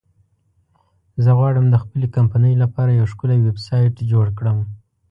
زه غواړم د خپلې کمپنی لپاره یو ښکلی ویبسایټ جوړ کړم